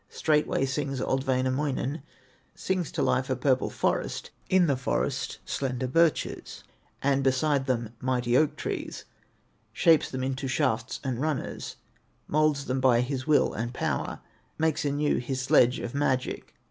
Straightway sings old Wainamoinen, Sings to life a purple forest, In the forest, slender birches, And beside them, mighty oak trees, Shapes them into shafts and runners, Moulds them by his will and power, Makes anew his sledge of magic.